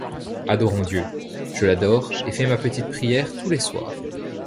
Adorons Dieu ; je l'adore et fais ma petite prière tous les soirs.